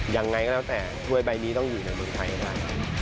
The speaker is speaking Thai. ยังไงก็แล้วแต่ถ้วยใบนี้ต้องอยู่ในเมืองไทยได้